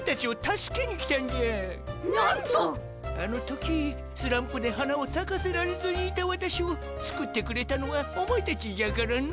あの時スランプで花をさかせられずにいたわたしをすくってくれたのはお前たちじゃからの。